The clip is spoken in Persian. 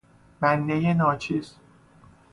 بنده ناچیز